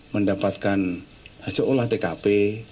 mendapatkan hasil olah tkp